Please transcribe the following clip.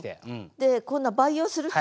でこんな培養するっていったら？